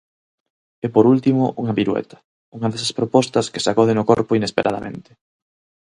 E por último, unha pirueta, unha desas propostas que sacoden o corpo inesperadamente.